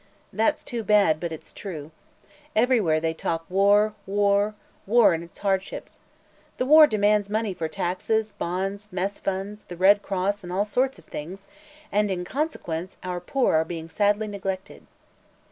That's too bad, but it's true. Everywhere they talk war war war and its hardships. The war demands money for taxes, bonds, mess funds, the Red Cross and all sorts of things, and in consequence our poor are being sadly neglected."